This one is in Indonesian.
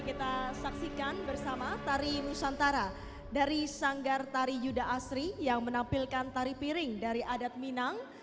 kita saksikan bersama tari nusantara dari sanggar tari yuda asri yang menampilkan tari piring dari adat minang